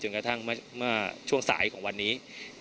จนกระทั่งช่วงสายของวันนี้